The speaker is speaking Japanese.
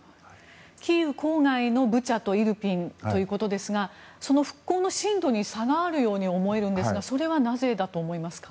キーウ郊外のブチャとイルピンということですがその復興の進度に差があるように思えるんですがそれはなぜだと思いますか？